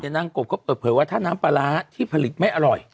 นางกบก็เปิดเผยว่าถ้าน้ำปลาร้าที่ผลิตไม่อร่อย